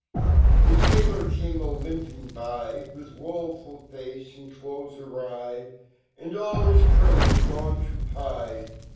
n The tailor came a limping by ^/ifK \voful face ar\dclofl\e$ awry And all his courage gone to pie